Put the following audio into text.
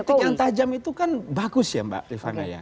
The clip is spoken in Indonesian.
kritik yang tajam itu kan bagus ya mbak rivana